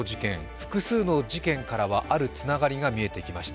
複数の事件からはあるつながりが見えてきました。